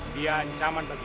dia ancaman begitu